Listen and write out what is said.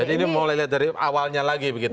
jadi ini mulai dari awalnya lagi begitu